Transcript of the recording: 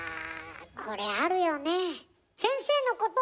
これあるよね。